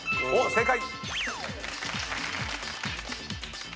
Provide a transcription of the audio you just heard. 正解！